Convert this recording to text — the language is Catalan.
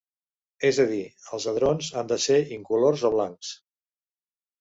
És a dir, els hadrons han de ser "incolors" o "blancs".